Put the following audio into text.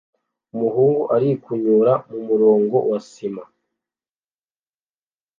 Umuhungu arikunyura mumurongo wa sima